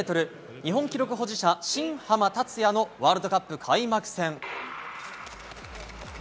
日本記録保持者、新濱立也のワールドカップ開幕戦。